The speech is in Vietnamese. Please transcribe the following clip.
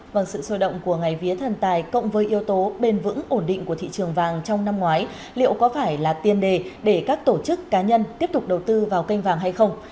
vâng sự sôi động của ngày vía thần tài cộng với yếu tố bền vững ổn định của thị trường vàng trong năm ngoái liệu có phải là tiên đề để các tổ chức cá nhân tiếp tục đầu tư vào kênh vàng hay không